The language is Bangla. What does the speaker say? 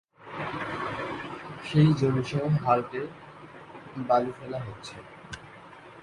সেই জমিসহ হালটে বালু ফেলা হচ্ছে।